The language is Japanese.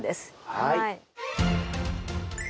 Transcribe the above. はい。